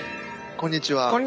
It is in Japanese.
こんにちは。